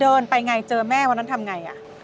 เดินไปไงเจอแม่วันนั้นทำไง